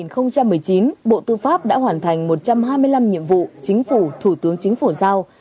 năm hai nghìn một mươi chín bộ tư pháp đã hoàn thành một trăm hai mươi năm nhiệm vụ chính phủ thủ tướng chính phủ giao